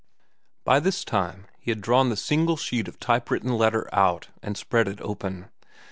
By this time he had drawn the single sheet of type written letter out and spread it open.